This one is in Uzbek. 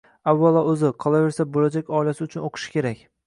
avvalo o‘zi, qolaversa, bo‘lajak oilasi uchun o‘qishi kerak.